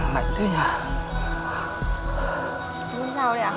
lạnh thế nhỉ